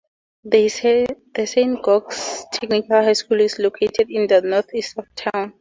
The Saint Georges Technical High School is located to the northeast of town.